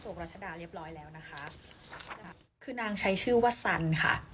คือนางใช้ชื่อวัสซันค่ะ